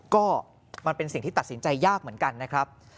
ก็มันเป็นสิ่งที่ตัดสินใจยากเหมือนกันนะครับ